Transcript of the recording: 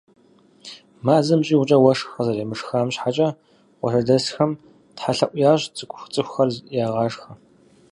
Мазэм щӏигъукӏэ уэшх къызэремышхам щхьэкӏэ, къуажэдэсхэм Тхьэлъэӏу ящӏ, цӏыкӏухэр ягъашхьэ.